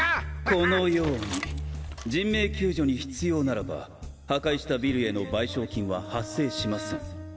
このように人命救助に必要ならば破壊したビルへの賠償金は発生しませんですが。